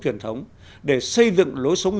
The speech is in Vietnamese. truyền thống để xây dựng lối sống